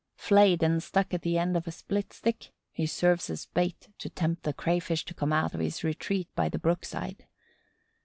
Flayed and stuck at the end of a split stick, he serves as bait to tempt the Crayfish to come out of his retreat by the brook side.